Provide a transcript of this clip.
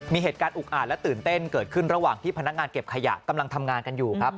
มีเหตุการณ์อุกอาจและตื่นเต้นเกิดขึ้นระหว่างที่พนักงานเก็บขยะกำลังทำงานกันอยู่ครับ